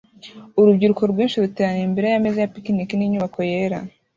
Urubyiruko rwinshi ruteranira imbere yameza ya picnic ninyubako yera